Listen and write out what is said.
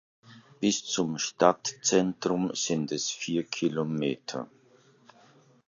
Bis zum Stadtzentrum sind es vier Kilometer.